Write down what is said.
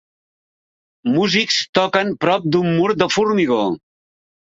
Músics toquen prop d'un mur de formigó.